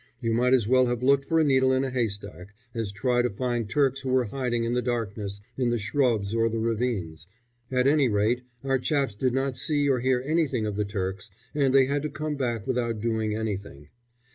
You might as well have looked for a needle in a haystack as try to find Turks who were hiding in the darkness in the shrubs or the ravines; at any rate, our chaps did not see or hear anything of the Turks, and they had to come back without doing anything.